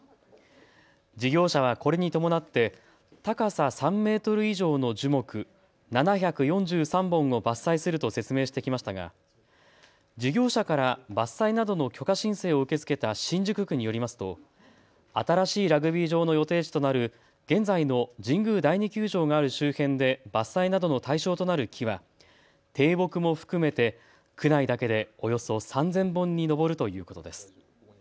事業者はこれに伴って高さ３メートル以上の樹木７４３本を伐採すると説明してきましたが事業者から伐採などの許可申請を受け付けた新宿区によりますと新しいラグビー場の予定地となる現在の神宮第二球場がある周辺で伐採などの対象となる木は低木も含めて区内だけでおよそ３０００本に上るということです。